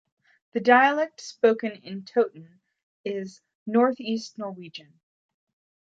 The dialect spoken in Toten is North-East Norwegian.